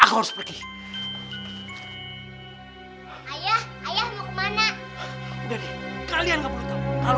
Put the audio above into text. mas kamu udah pulang mas